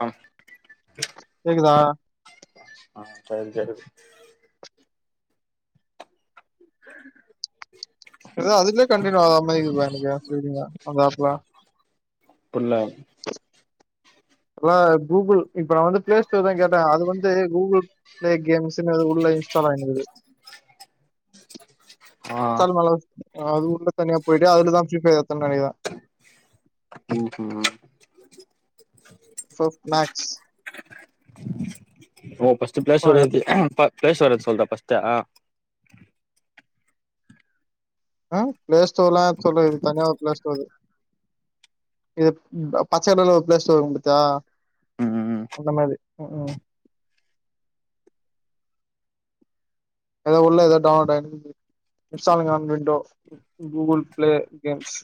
ஹம் கேக்குதா ஆஹ் செரி செரி உ ஏதாவ அதுலயே கண்டனியா அது அம்மதிக்கு போ எனக்கு சொல்லங்க அந்த ஆப்ல புள்ள ப்பா கூகுள் இப்ப நா வந்து பிளே ஸ்டோர் தா கேட்டே அது வந்து கூகுள் ப்ளே கேம்சுனு உள்ள இன்ஸ்டால் ஆயினுதுகுது ஆ சேனல் நல்லது அது உள்ள தனியா போயிட்டு அதுலதான் ஃப்ரீ பயர் ஏத்னே நெனக்கிறே ம் ம் சோஃப் மேக்ஸ் ஓ ஃபஸ்ட்டு பிளேஸ் வரது ப பிளேஸ் வரது சொல்தா ஃபஸ்ட்டா ஹ பிளே ஸ்டோர் ல்லா சொல்ல இது தனியா ஒரு பிளே ஸ்டோரு இது ப பச்சக்கலர்ல ஒரு ப்ளே ஸ்டோர் இருக்கு பத்தியா ம் ம் அந்த மாரி ம் ம் அது உள்ள எதோ டவுன் லோடு ஆயிட்டுருக்கு installing on window Google play games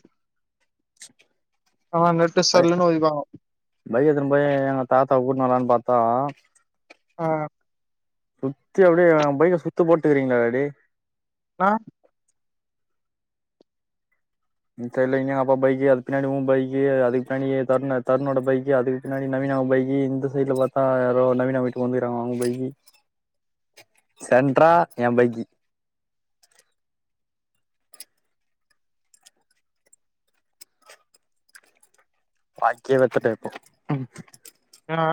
ஆஹ் நெட்டு சல்லுனு ஓதிவாங்க பைக்க எடுத்துனு போய் எங்க தாத்தாவ கூட்டு வரலானு பாத்தா ஆ ஹ ஹ சுத்தி அப்படியே எ பைக்கை சுத்து போட்டுறிங்களா டேய் நா தெரிலங்க அப்பா பைக்கு அது பின்னாடி பைக்கு அது பின்னாடி தரு தருணோட பைக்கு அது பின்னாடி நவீன பைகி இந்த சைடுல பாத்தா நவீன வீட்டுக்கு வந்துருக்காங்க அவங்க பைகி சென்ட்ரா எய பைகி பாக்கியவத்தட்ட இப்போ ஏனா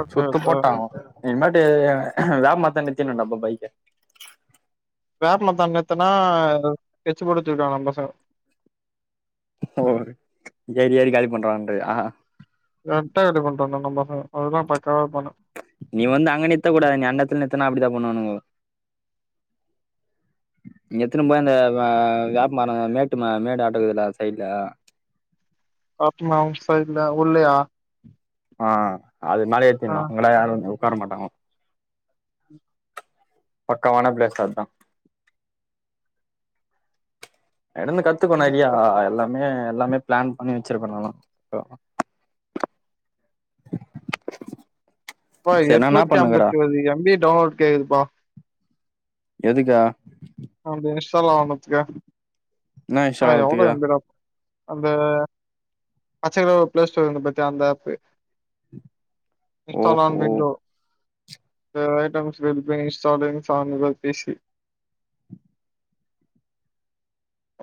ஓகே சுத்து ஓகே போட்டாவு ம் இனிமேட்டு வேப்ப மரத்தாண்டு நிறுத்திடனு டா அப்ப பைக்க வேப்பில தங்கத்தனா ஸ்கெட்ச் போட்டு தூக்கிடுவாங்க நம்ம பசங்க ஓ ஏறி ஏறி காலி பண்றன்றியா ஆ கரட்டா ரெடி பண்றாங்க நம்ம பசங்க அதெல்லா பக்காவா இருப்பாங்க நீ வந்து அங்க நிறுத்த கூடாது நீ அந்த இடத்துல நிறுத்தினா அப்டித்தா பண்ணுவான்னுங்கோ எத்துனு போய் அ அந்த வேப்பமர மேட்டு மேடாட்ட இருக்குதுல்ல சைடு்ல பாத்திமா அவுங்க சைடுல உள்ளல்லையா ஆ அது மேல ஆ ஏதேனு இவங்களா யாரு உட்கார மாட்டாங்க பக்காவான பிளேஸ் அதுதா அதிலிருந்து கத்துக்கணு நெறையா எல்லா இனிமே எல்லாமே பிளான் பண்ணி வச்சிருக்குனு எல்லா அப்பா சரி என்னா என்னா எட்நூத்தி பண்ணுக்குற ஐம்பத்திறு எம்பி டவுன்லோட் கேக்குதுப்பா எதுக்க அந்த இன்ஸ்டால் ஆனதுக்கு என்ன ஆ இன்ஸ்டால் எவ்ளோ ஆவறதுக்கு எம்பீடாப்ப அந்த பச்சை கலர்ல ஒரு பிளே ஸ்டோர் இருக்கு பாத்தியா அந்த ஆப் இன்ஸ்டால் ஆன் ஓஹோ window the items will be installing on your PC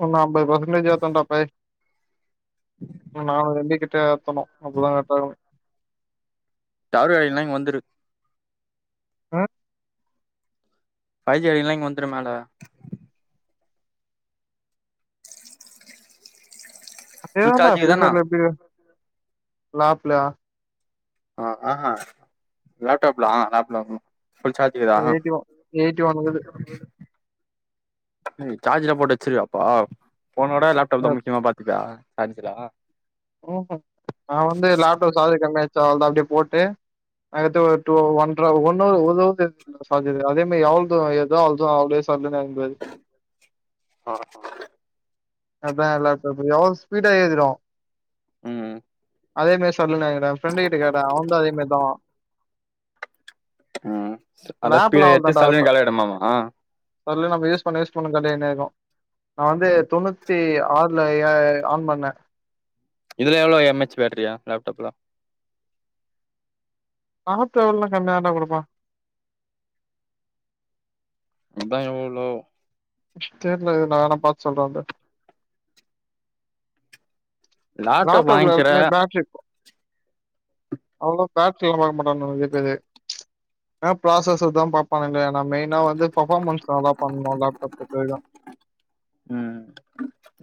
இன்னு அம்பது பெர்சன்டேஜ் ஏத்தண்டாப்பே இன்னோ நான்னூரு எயம்பி கிட்ட ஏத்தணு அப்பதா கரெக்டா இருக்கும் டவர் கிடக்கலன்னா இங்க வந்துரு ம் பை ஜி கிடக்கலன்னா இங்க வந்துடு மேல அப்டி ஃபுல் வேணா சார்ஜுக்குதான பியூச்சர்ல எப்டி லப்பிளயா ஹ ஆ லேப்டாப்ல அ லேப்ல வந்து புல் சார்ஜ் இது ஆஹா எயிட்டி ஒன் எயிட்டி ஒன் இருக்குது ம் சார்ஜ்ல போட்டு வச்சுருவியா அப்போ போனோட லேப்டாப் தா முக்கியமா பாத்துபியா அரிஞ்சலா ஹம் நா வந்து லேப்டாப் சார்ஜ் கம்மியா ஆச்சு அவ்வளவுதா அப்டியே போட்டு அதுகடுத்து ஒரு டு ஒன்னு ஒன்றா ஒன்னு ஹவர் சார்ஜ் ஏறுதோ அதே மேரி எவ்வளவு தூர ஏறுதோ அவ்ளோ தூர அப்டியே சல்லுன்னு இறங்கிடுது [unintelligible] [unintelligible] அவ்ளோ ஸ்பீடா ஏரிடும் ம் அதேமாரி சல்லுனுஎங்கிரு எய ஃப்ரெண்டு கிட்ட கேட்ட அவன்தூ அதேமேர்தா ஹம் அதா ஸ்பீடா லேப்லாம் ஏறிட்டு சல்லுனு காலியாய்டுமாமா சல்லு நம்ம யூஸ் பண்ண யூஸ் பண்ண காலியாய்னீக்கு நா வந்து தொண்ணூ த்தி ஆறுல ஏ ஆன் பண்ண இதுல எவ்ளோ எம்எச் பேட்ரியா லேப்டாப்ல ஆப்ட்ராவல்ல கம்யாதாண்டா குடுப்பா அதா எவ்ளோ தெர்ல இரு நா வேனா பாத்து சொல்ற அத லாப்டப் லேப்டாப்ல வாங்க்கிறே எப்பவுமே பேட்ரி அவ்ளோ பேட்ரியெல்லா வாங்க மாட்டாங்க நெறைய பேரு ஆ ப்ராசசர்தா பாப்பானுங்க நா மெயினா வந்து பஃபாமன்ஸ் நல்லா பண்ணு லேப்டாப் பொருத்தவரைக்கு ம்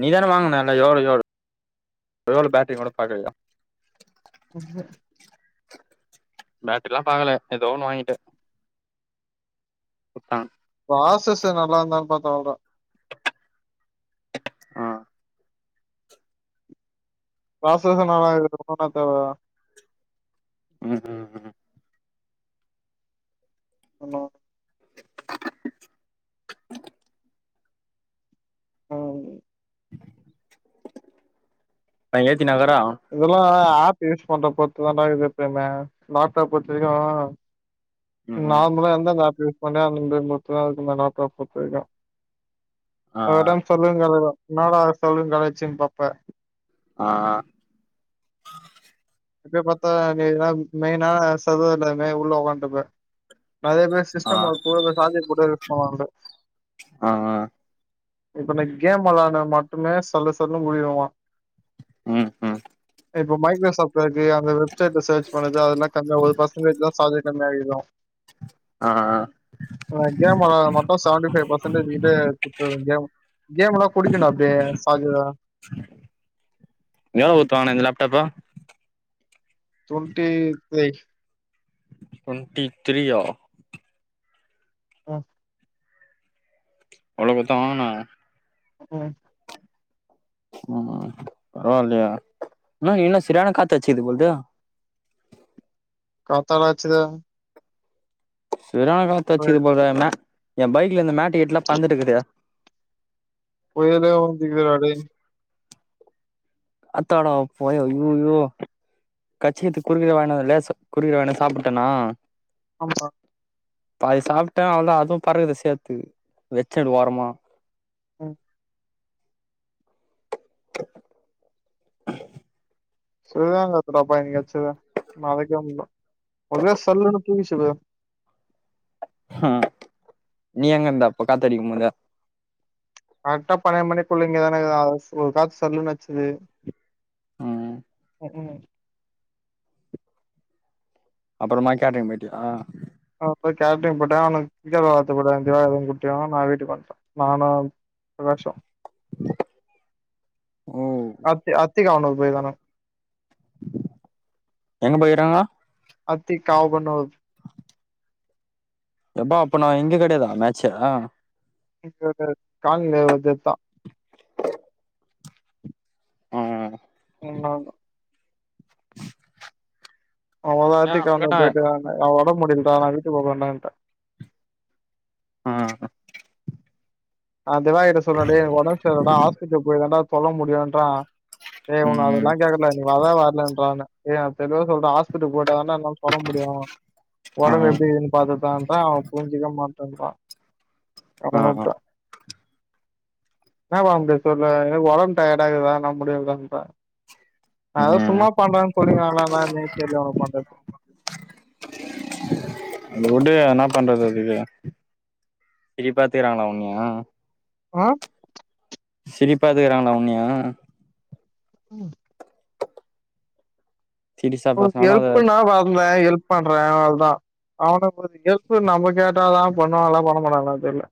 நீ தான வாங்குன நல்லா எவ்ளோ எவ்ளோ [inaudible] எவ்ளோ பேட்ரீனு கூட பாக்கலயா ம் பேட்ரிலா பாக்கல எதோ ஒன்னு வாங்கிட்டே குட்தா ப்ராசஸு நல்லா இருந்தாலு பாத்து வாங்குடா ஆ ப்ராசஸுனாலா இதுக்கு என்னென்ன தேவையா ம் ம் ம் உன்னு ம் அவ ஏத்தினாக்குறா இதெல்லா ஆப் யூஸ் பண்ற பொருத்துதான்டா இருக்குமே லேப்டாப் பொருத்த வரைக்கு ம் ம் நார்மலா எந்தந்த ஆப் யூஸ் பண்றியோ அந்தந்தது மட்டுதா இருக்கு இந்த லேப்டாப் பொருத்த வரைக்கு ஆ ஒரு டைம் சொல்லுங்களேடா இன்னாடா சொல்லுங் கலாய்ச்சன் பாப்ப ஆ ஆ இப்பயே பாத்தா நீலாம் மெய்னா சர்வர் இல்லாமே உள்ள ஒக்கான்ட்ருப்ப நெறைய பேர் சிஸ்டம் ஒர்கூட இந்த சாஜர் போட்டே யூஸ் பண்ணுவானுங்க ஆ ஆ இப்ப நா கேம் வெளாட்னது மட்டுமே சல்லு சல்லுன் முடியுமா ம் ம் இப்ப மைக்ரோசாஃப்ட் வொர்க்கு அந்த வெப்சைட்ல சேர்ச் பண்ணது அதெல்லா [unintelligible] இல்லட்னா சார்ஜர் கம்மியாயிரு ஆ ஆ அ கேம் வெளாட்றது மட்டு செவன்டீ ஃபை பெர்சன்டேஜுகிட்ட குட்ச்சுருது கேமு கேமுலா குடிக்குன்டா அப்டியே சார்ஜர எவ்ள குட்த்து வாங்ன இந்த லேப்டாப்ப தொன்ட்டி த்ரீ டு்வென்ட்டி த்ரீயா ம் அவ்ளோ குட்த்தா வாங்குன ம் ம் ம் பரவால்லையே என்ன இங்கென்ன செரியான காத்தச்சிக்குது போல்து காத்தாடா அச்சுது செரியான புய காத்தச்சுக்கிது போல்ரன எ பைக்ல இந்த மேட்டு கீட்டுலா பறந்துட்டு இக்குது புயலே வந்துக்குதுடா டே அத்தாடப் பொய ஐயய்யோ கச்சித்து குருவில வாங்குன லேஸு குருவில வாங்னது சாப்புட்டனா ஆமா சாப் பாதி சாப்ட்டே அவள்தா அதுவு பறக்குது சேத்து வெச்சே இது ஓரமா ம் [inaudible] சொல்வாங்க [unintelligible] என்னக்காச்சுத் ம் நீ எங்க இருந்தாப்ப காத்தடிக்க போது கரெக்டா பன்னெண்டு மணிக்குள்ள இங்க தானே இங்க தா ஒரு காத்து சொல்லு அச்சுது ம் ம் அப்றமா கேட்ரிங் பேய்டியா ஆ அப்றோ கேட்ரிங் போட்டே அவுங்க்கு கிரிக்கெட் வெள்ளாற்த்து கூட திவாகரு குட்டியு நா வீட்டுக்கு வந்துடே நானு பிரகாஷ் ஓ அத்தி அத்தி [unintelligible] எங்க போயிராங்க அத்தி காவு பண்ணுவ் நண்பா அப்ப நா இங்க கெடையாதா மேட்ச [unintelligible] ம் மூண் நாள்தா [inaudible] அவுங்காத [unintelligible] போயிட்டு அவ ஒடம்ப முடியில தா நா வீட்டு போ போறன்டான்ட ம் ஆ திவாகர்ட்ட சொல்றே டேய் எனக்கு ஒடம் செல்லடா ஹாஸ்படல் போயிதாடா சொல்ல முடியும்ன்றான் ஏ உன்ன ம் ம் அதெல்லா கேக்கல நீ வரே வர்லன்றா என்ன ஏ நா தெளிவா சொல்ற ஹாஸ்பிட்டல் போட [unintelligible] ஒடம்ப முடியு ஆ ஒடம்பு எப்டி இதுன்னு பாத்துட்டுட்டு தான்டா அவ புரிஞ்சுக்க மாட்டேன்றா அதா ஆ நா உட்டே என்ன டா அப்டி சொல்ற எனக்கு ஒடம்பு டயர்ட இருக்குட நா முடியலன்றே நா எதோ ம் சும்மா பண்றேன்னு சொல்லுவீங்க நா அதனால் தா என்னன்னே தெர்ல அவுனுவோ பண்றது வுடு என்ன பண்றது அதுக்கு திரிப் பாத்துக்கிறாங்களா உண்ணியா ஆ சிரிப்பாத்துக்குறாங்களா உண்ணியா ம் சீரியஸா பேசுனாலு அத ஹெல்ப்னா வந்தே ஹெல்ப் பண்றே அவ்ள தா அவ்னோ புரிஞ்சிக் ஹெல்ப் நம்ப கேட்டா கேட்டா தா பண்ணுவாளா பண்ண மாட்டாங்களா தெர்ல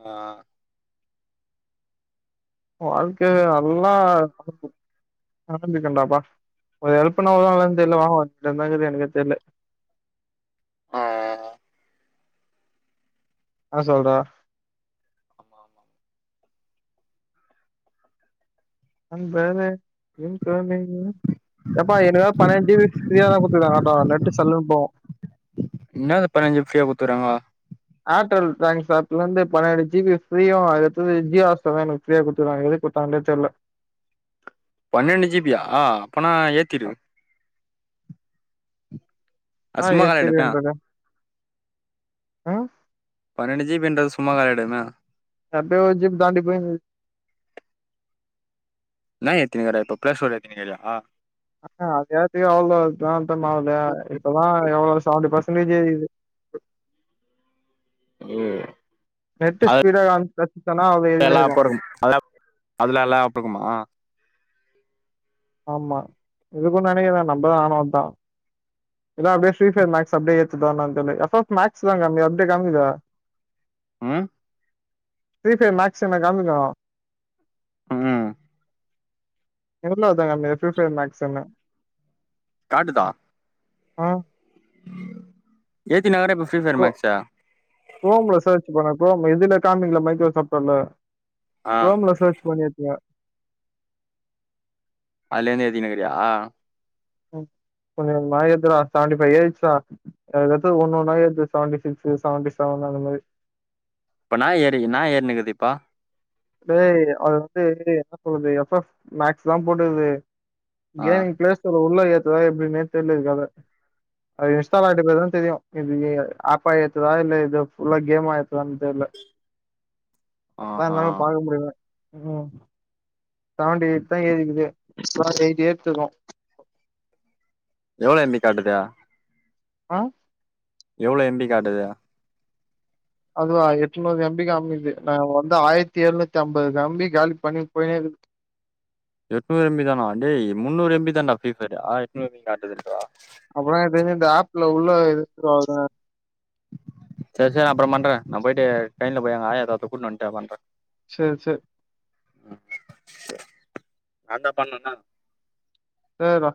அ அ ஆ வாழ்க்கைய நல்லா அனுபிக்கி அனுபிக்கண்டாப்பா ஒரு ஹெல்ப்ன்னா வருவாங்களானு தெர்ல வாங்க [unintelligible] எனக்கே தெர்ல ஆ ஆ ம் ஆ சொல்ற வந்தரே எம் தோனி ம் எப்பா எனக்காக பன்னாட்டு ஜீபி ஃப்ரியாதா குடுத்துராங்க அட்டோ நெட்டு சல்லுன்னு போவு இன்னாது பன்னடுஜிபி ஃபிரீயா குத்துறாங்கோ அர்டெல் தேங்க்ஸ் ஆப்ல இருந்து பன்னெண்டு ஜிபி ஃப்ரீயு அதுக் அடுத்தது ஜியோ ஹாட்ஸ்டார் எனக் ஃபிரிய குத்துருக்க எதுக் குடுத்தங்களே தெர்ல பன்னெண்டு ஜிபியா அப்பனா ஏத்திரு ஆ அது சும்மா காலி ஆயிடுமே ஏத்திறன்ருக்கே பன்னெண்டு ஜிபன்றது சும்மா கடயதுன்ன [unintelligible] ஜிபி தாண்டி போய்ன்னுக்குது என்ன ஏத்தினுருக்க இப்ப பேச கூடாதுன்ருக்குறியா ஆஹ [unintelligible] அவ்வளவு மா இப்பதா எவ்வளவு செவன்டி பெர்சன்டேஜ் ஏரிது உம் நெட்டு ஸ்பீட்டா அ ப்ரத்தனாவே எல்லா அப்ப இருக்கும் அதா அதுலா எல்லா அப்ப இருக்குமா ஆமா இருக்கும் நினைக்குற நம்மதா ஆணவம் தா இதா அப்படியே ப்ரீபர் மேக்ஸ் அப்டியே ஏத எப்ப் மேக்ஸ்னங்க [unintelligible] அப்டியே கிளம்பிடுவ ம் ப்ரீஃபர் மேக்ஸ் என காமிக்கும் ம் [unintelligible] எல்லாம் துங்க ஃப்ரி ஃபை மேக்ஸ்னு காட்டுதா ஆ ஏத்தி நகர இப்ப ஃப்ரீ ஃபர் மக்ஸா குரோம்ல சர்ச் பண்ன குரோம் எதுல காமிங்களா மைக்ரோசாஃப்ட்வர்ல ஆ குரோம்ல சர்ச் பண்ணி ஏத்துவ அதுல இருந்து எத்தினுக்குறியா கொஞ்ச கொஞ்சமா ஏறுதுடா செவண்டி ஃபைவ் ஏறிச்சிடா எதாவது ஒன்னொன்னா ஏத்து செவன்டி சிக்ஸ்ஸு செவன்டி செவன்னு அந்த மாதிரி இப்ப என்னா ஏறினுக்குது என்னா ஏறுனிக்குது இப்ப டேய் அது வந்து என்ன சொல்லுது எஃப் எஃப் மேக்ஸ் தா போடுது ஆ கேமிங் பிளே ஸ்டோர்ல உள்ள ஏத்ததா எப்படின்னுே தெரியல அத அது இன்ஸ்டால் ஆயிட்ட போது தா தெரியும் இது ஆப்பா ஏத்துதா இல்ல இது ஃபுல்லா கேம்மா ஏ தெரியல அப்ப ஆஹா என்னால பாக்க முடியல உம் செவன்டி எயிட் தா ஏறிக்குது இன்னு எயிட்டி ஏயிட் இருக்கு எவ்ளோ எம் பி காட்டுது அ எவ்வளோ எம் பி காட்டுது அதுவா எட்நூறு எம் பி காமிது நா வந்து ஆயிரத்தி எழுநூத்தி அம்பது எம் பி காலி பண்ணி போயனே எட்நுறு எம் பி தானா டேய் முன்னூறு எம் பி தான்டா ஃபிரீ பயரு எட்நுரு காட்டுதுங்ற அப்புறா இது இந்த ஆப்ல உள்ள இது ஆகுதா சேரி சேரி அப்புறௌ பண்றே நா போயிட்டு ட்ரெயின்ல போய் எங்க ஆயா தாத்தா கூட்டுனு வன்டே பண்றேன் சேரி சேரி நான் தா பன்னனா சேரிரா